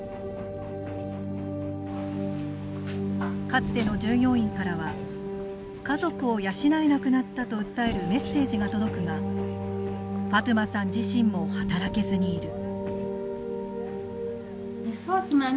かつての従業員からは「家族を養えなくなった」と訴えるメッセージが届くがファトゥマさん自身も働けずにいる。